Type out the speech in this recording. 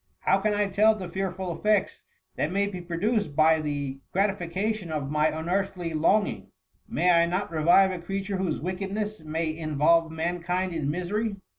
How can I tell the fearful effects that may be produced by the gratification of my unearthly longing ? May I not revive a creature whose wickedness may in volve mankind in misery?